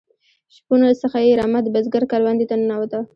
شپون څخه یې رمه د بزگر کروندې ته ننوته.